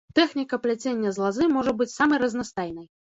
Тэхніка пляцення з лазы можа быць самай разнастайнай.